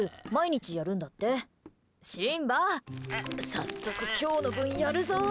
早速、今日の分やるぞ！